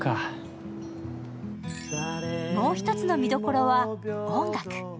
もう一つの見どころは、音楽。